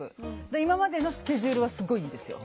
だから今までのスケジュールはすっごいいいですよ。